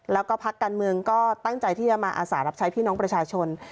แล้วก็พักการเมืองก็ตั้งใจที่จะมาอาสารับใช้พี่น้องประชาชน